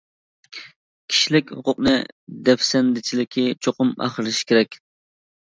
كىشىلىك ھوقۇقنى دەپسەندىچىلىكى چوقۇم ئاخىرلىشىشى كېرەك.